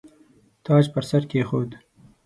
تاج پر سر کښېښود.